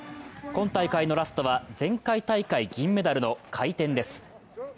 今大会のラストは前回大会銀メダルの回転です。